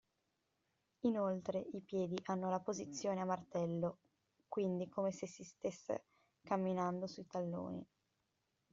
Inoltre, i piedi hanno la posizione a martello, quindi come se si stessa camminando sui talloni.